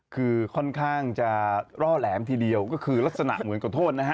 คือค่อนข้างจะร่อแหลมทีเดียวก็คือลักษณะเหมือนขอโทษนะฮะ